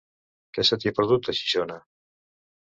Què se t'hi ha perdut, a Xixona?